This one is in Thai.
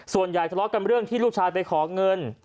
ทะเลาะกันเรื่องที่ลูกชายไปขอเงิน